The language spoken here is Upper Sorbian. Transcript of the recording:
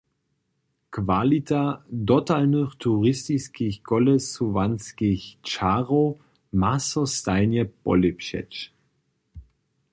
Kwalita dotalnych turistiskich kolesowanskich čarow ma so stajnje polěpšeć.